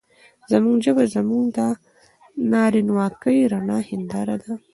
زموږ ژبه هم زموږ د نارينواکۍ رڼه هېنداره ده.